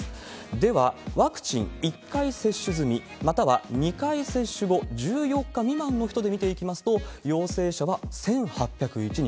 では、ワクチン１回接種済み、または２回接種後１４日未満の人で見ていきますと、陽性者は１８０１人。